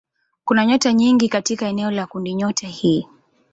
Kuna nyota nyingi katika eneo la kundinyota hii.